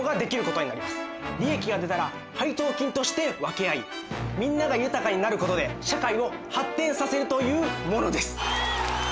利益が出たら配当金として分け合いみんなが豊かになることで社会を発展させるというものです。